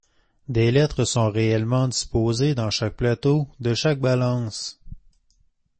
Des lettres sont réellement disposées dans chaque plateau de chaque balance.